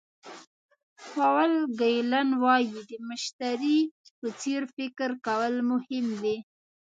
پاول ګیلن وایي د مشتري په څېر فکر کول مهم دي.